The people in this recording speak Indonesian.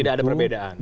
tidak ada perbedaan